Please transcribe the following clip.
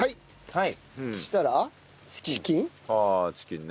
はい。